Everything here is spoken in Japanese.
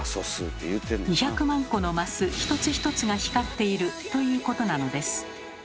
２００万個のマス一つ一つが光っているということなのです。